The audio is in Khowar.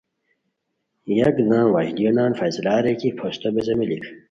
یکدم وشلیو نان فیصلہ اریر کی پھوستو بیزیملیک